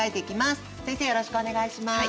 よろしくお願いします。